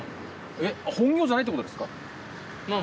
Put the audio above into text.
えっ本業じゃないってことですか？